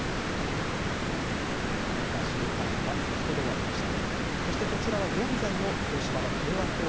日韓首脳会談は先ほど終わりました。